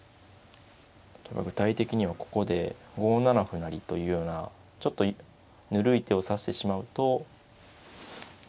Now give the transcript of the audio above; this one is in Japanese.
具体的にはここで５七歩成というようなちょっとぬるい手を指してしまうと。